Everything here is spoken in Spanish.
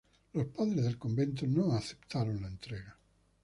Los Padres del convento no aceptaron la entrega.